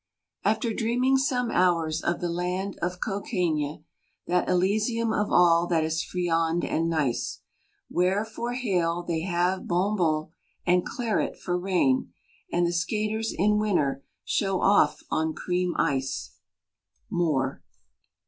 After dreaming some hours of the land of Cocaigne, That Elysium of all that is friand and nice, Where for hail they have bonbons, and claret for rain, And the skaters in winter show off on cream ice. MOORE.